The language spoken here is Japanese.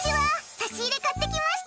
差し入れ買ってきました。